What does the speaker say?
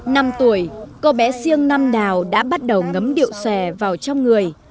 năm tuổi cô bé siêng nam đào đã bắt đầu ngấm điệu xòe vào trong người